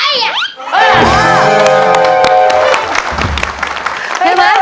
เรียกประกันแล้วยังคะ